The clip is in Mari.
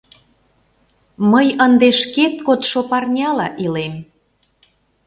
Мый ынде шкет кодшо парняла илем.